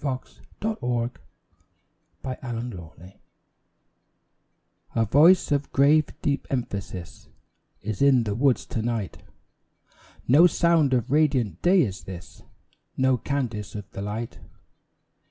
In Memory of Edward Butler A voice of grave, deep emphasis Is in the woods to night; No sound of radiant day is this, No cadence of the light.